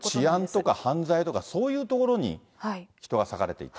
いわゆる治安とか犯罪とか、そういうところに人が割かれていた。